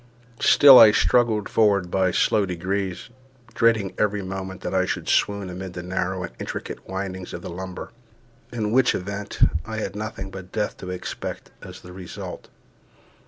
Still I struggled forward by slow degrees, dreading every moment that I should swoon amid the narrow and intricate windings of the lumber, in which event I had nothing but death to expect as the result.